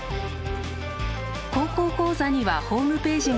「高校講座」にはホームページがあります。